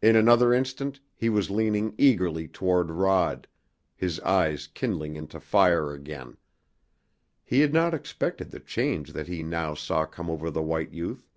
In another instant he was leaning eagerly toward Rod, his eyes kindling into fire again. He had not expected the change that he now saw come over the white youth.